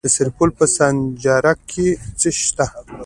د سرپل په سانچارک کې څه شی شته؟